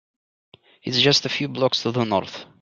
It’s just a few blocks to the North.